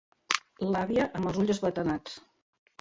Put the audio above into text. L'àvia amb els ulls esbatanats.